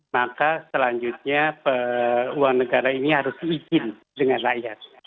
maka selanjutnya uang negara ini harus diizin dengan rakyat